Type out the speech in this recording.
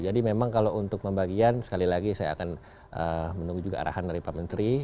jadi memang kalau untuk pembagian sekali lagi saya akan menunggu juga arahan dari pak menteri